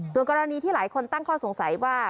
ส่วนกรณีที่หลายคนตั้งข้อสงสัยว่า